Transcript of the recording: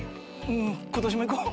うん今年も行こう」。